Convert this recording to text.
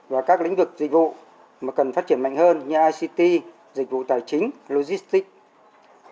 và các lĩnh vực dịch vụ mà cần phát triển mạnh hơn như ict dịch vụ tài chính logistic và cần phải hiện đại hóa ngành nông nghiệp